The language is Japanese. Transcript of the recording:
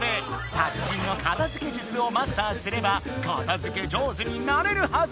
たつ人の片づけ術をマスターすれば片づけ上手になれるはず！